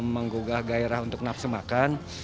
menggugah gairah untuk nafsu makan